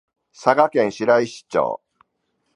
佐賀県白石町